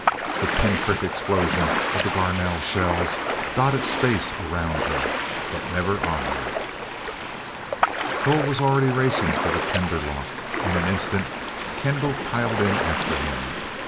The pinprick explosions of the Garnell shells dotted space around her but never on her. Cole was already racing for the tender lock. In an instant Kendall piled in after him.